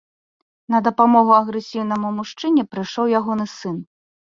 На дапамогу агрэсіўнаму мужчыне прыйшоў ягоны сын.